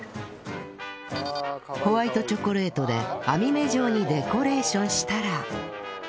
ホワイトチョコレートで網目状にデコレーションしたら